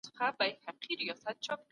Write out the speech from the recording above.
تل د خپلي څېړني لپاره منظم پلان جوړ کړئ.